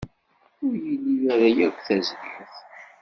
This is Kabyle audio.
Ur ili ara akk tazrirt.